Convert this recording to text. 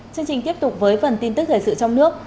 chương trình tiếp tục với phần tin tức thời sự trong nước